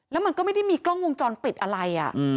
แล้วมันก็ไม่ได้มีกล้องวงจรปิดอะไร